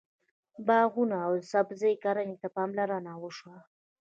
باغواني او د سبزۍ کرنې ته پاملرنه وشوه.